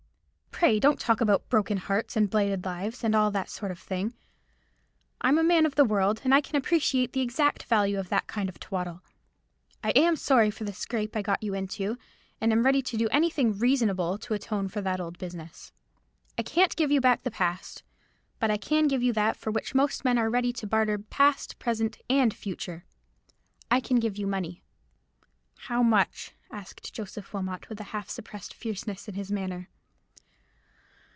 Pray don't talk about broken hearts, and blighted lives, and all that sort of thing. I'm a man of the world, and I can appreciate the exact value of that kind of twaddle. I am sorry for the scrape I got you into, and am ready to do anything reasonable to atone for that old business. I can't give you back the past; but I can give you that for which most men are ready to barter past, present, and future,—I can give you money." "How much?" asked Joseph Wilmot, with a half suppressed fierceness in his manner.